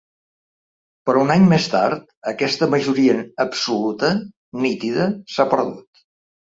Però un any més tard, aquesta majoria absoluta, nítida, s’ha perdut.